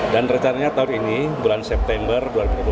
dan rencananya tahun ini bulan september dua ribu dua puluh empat